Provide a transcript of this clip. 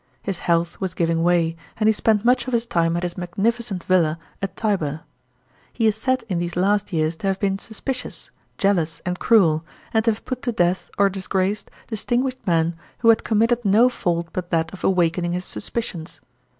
His health was giving way, and he spent much of his time at his magnificent villa at Tibnr tie is said in these last years to have been suspicious, jealous, and cruel, and to have put to death or disgraced distinguished men who had committed no fault but that of awakening his suspicions.